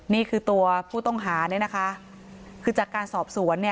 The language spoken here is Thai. นี่คือตัวผู้ต้องหาเนี่ยนะคะคือจากการสอบสวน